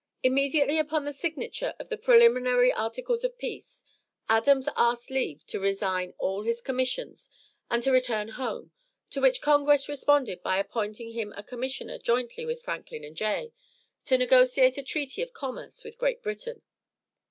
Immediately upon the signature of the preliminary articles of peace, Adams asked leave to resign all his commissions and to return home, to which Congress responded by appointing him a commissioner jointly with Franklin and Jay, to negotiate a treaty of commerce with Great Britain.